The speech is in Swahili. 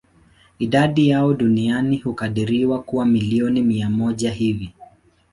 Idadi yao duniani hukadiriwa kuwa milioni mia moja hivi.